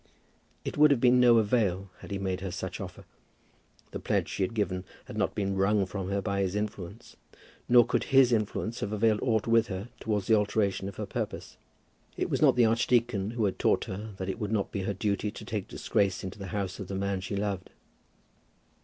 It would have been of no avail had he made her such offer. The pledge she had given had not been wrung from her by his influence, nor could his influence have availed aught with her towards the alteration of her purpose. It was not the archdeacon who had taught her that it would not be her duty to take disgrace into the house of the man she loved.